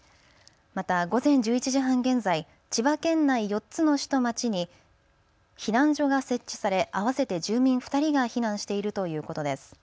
また午前１１時半現在、千葉県内４つの市と町に避難所が設置され合わせて住民２人が避難しているということです。